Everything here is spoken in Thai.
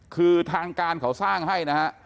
คือทางการเขาสร้างให้นะฮะ